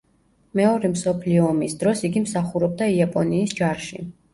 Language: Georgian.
მეორე მსოფლიო ომის დროს იგი მსახურობდა იაპონიის ჯარში.